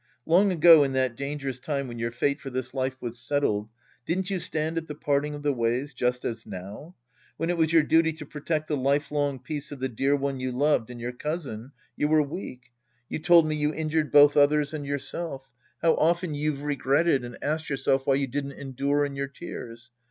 Long ago in that dangerous time when your fate for this life was settled, didn't you stand at the parting of the ways just as now ? When it was your duty to protect the lifelong peace of the dear one you loved and your cousin, you were weak. You told me you injured both others and yourself. How often you've regretted and asked yourself why you didn't endure in your tears